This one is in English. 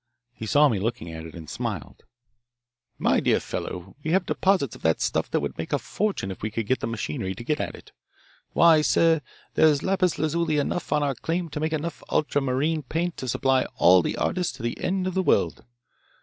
He saw me looking at it and smiled. "My dear fellow, we have deposits of that stuff that would make a fortune if we could get the machinery to get at it. Why, sir, there is lapis lazuli enough on our claim to make enough ultramarine paint to supply all the artists to the end of the world.